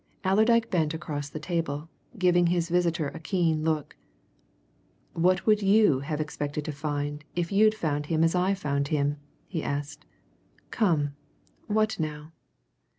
Allerdyke bent across the table, giving his visitor a keen look. "What would you have expected to find if you'd found him as I found him?" he asked. "Come what, now?"